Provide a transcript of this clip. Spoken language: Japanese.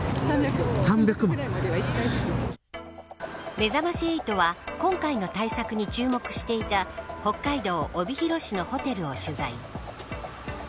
めざまし８は今回の対策に注目していた北海道帯広市のホテルを取材。